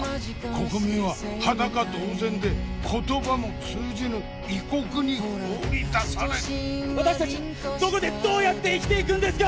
国民は裸同然で言葉も通じぬ異国に放り出される私達はどこでどうやって生きていくんですか！